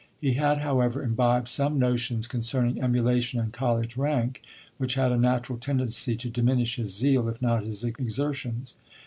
He had, however, imbibed some notions concerning emulation and college rank which had a natural tendency to diminish his zeal, if not his exertions.